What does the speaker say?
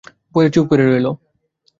পড়ে চুপ করে রইল।